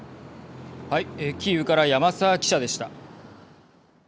キーウから山澤記者でした。